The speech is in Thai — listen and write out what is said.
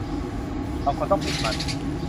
บางคนต้องปิดมัน